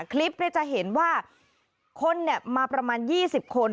คลิปจะเห็นว่าคนมาประมาณ๒๐คน